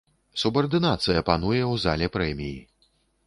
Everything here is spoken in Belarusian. Субардынацыя пануе ў зале прэміі.